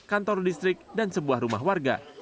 kantor distrik dan sebuah rumah warga